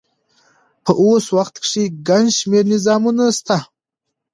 په اوس وخت کښي ګڼ شمېر نظامونه سته.